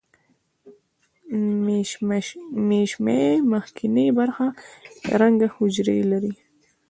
د مشیمیې مخکینۍ برخه رنګه حجرې لري.